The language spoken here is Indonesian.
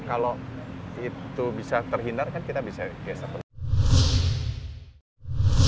kalau itu bisa terhindar kan kita bisa geser ke tempat lain